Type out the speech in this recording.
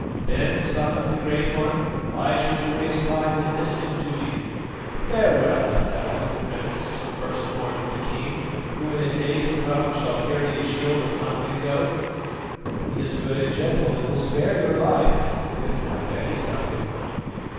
"Then, Son of the Great One, why should you waste time in listening to me? Farewell, Hafela the Prince, first born of the king, who in a day to come shall carry the shield of Nodwengo; for he is good and gentle, and will spare your life if I beg it of him."